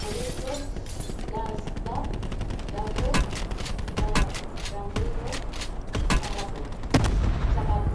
Momentuz, ez da datu gehiago zabaldu.